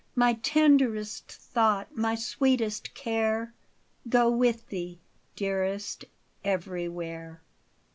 My tenderest thought, my sweetest care. Go with thee, dearest, everywhere.